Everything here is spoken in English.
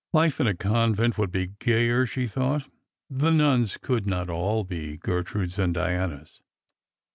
" Life in a convent would be gayer," she thought ;" the nuns could not all be Gertrudes and Dianas."